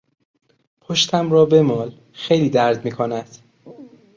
پشتم را بمال خیلی درد میکند.